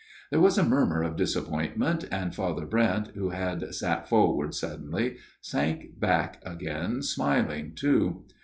There was a murmur of disappointment, and Father Brent, who had sat forward suddenly, sank back again, smiling too.